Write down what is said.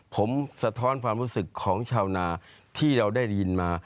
ผมสะท้อนความรู้สึกของชาวนาที่เราได้ยินมา